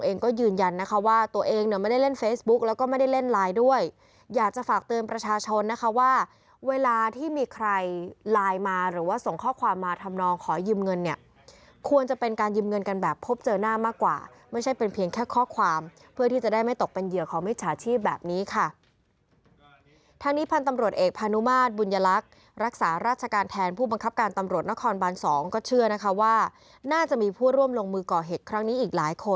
ตัวเองก็ยืนยันนะคะว่าตัวเองเนี่ยไม่ได้เล่นเฟซบุ๊คแล้วก็ไม่ได้เล่นไลน์ด้วยอยากจะฝากเติมประชาชนนะคะว่าเวลาที่มีใครไลน์มาหรือว่าส่งข้อความมาทำนองขอยยืมเงินเนี่ยควรจะเป็นการยืมเงินกันแบบพบเจอหน้ามากกว่าไม่ใช่เป็นเพียงแค่ข้อความเพื่อที่จะได้ไม่ตกเป็นเหยื่อของมิจฉาชีพแบบนี้ค่ะทางนี้